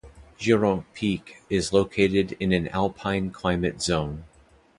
Giraud Peak is located in an alpine climate zone.